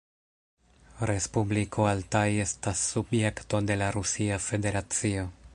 Respubliko Altaj' estas subjekto de la Rusia Federacio.